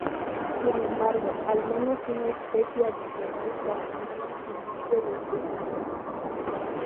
Sin embargo, al menos una especie adicional continúa sin nombre desde su identificación.